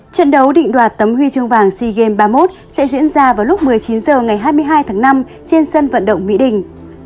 trận đấu định đoạt tấm huy chương vàng sea games ba mươi một sẽ diễn ra vào lúc một mươi chín h ngày hai mươi hai tháng năm trên sân vận động mỹ đình